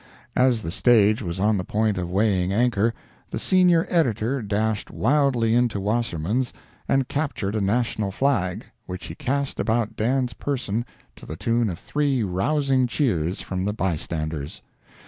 As the stage was on the point of weighing anchor, the senior editor dashed wildly into Wasserman's and captured a national flag, which he cast about Dan's person to the tune of three rousing cheers from the bystanders.